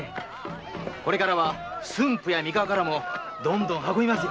これからは駿府や三河からも運びますぜ。